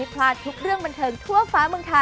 แกก็จะเล่าต่อนะ